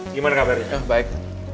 gimana kabarnya huh baik